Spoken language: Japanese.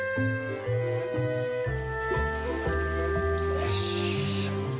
よし。